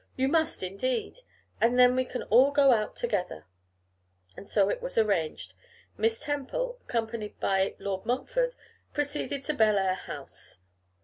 You must, indeed; and then we can all go out together.' And so it was arranged. Miss Temple, accompanied by Lord Montfort, proceeded to Bellair House.